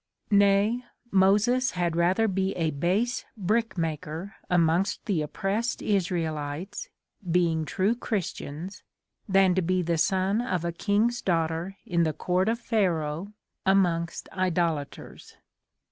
Nay, Moses had rather be a base bricke maker amongst the oppressed Israelites, being true Christians, than to be the Sonne of a king's daughter in the court of Pharaoh amongst idolaters.